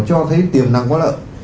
cho thấy tiềm năng quá lợi